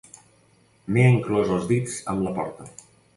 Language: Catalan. M'he enclòs els dits amb la porta.